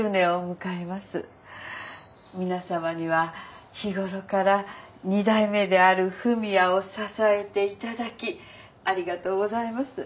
皆さまには日ごろから２代目である文也を支えていただきありがとうございます。